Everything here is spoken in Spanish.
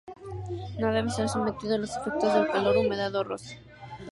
No debe ser sometido a los efectos del calor, humedad o roce.